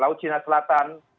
laut cina selatan